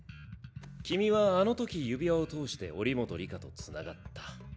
君はあのとき指輪を通して祈本里香とつながった。